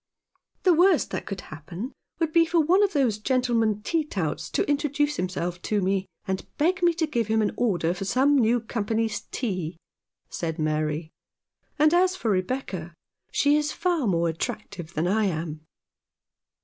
"The worst that could happen would be for one of those gentlemen tea touts to introduce him self to me, and beg me to give him an order for some new company's tea," said Mary ;" and as for Rebecca, she is far more attractive than I am."